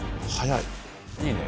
いいね。